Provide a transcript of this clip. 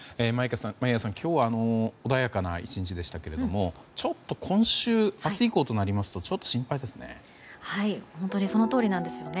眞家さん、今日は穏やかな１日でしたけれどもちょっと今週明日以降となりますとちょっと心配ですね。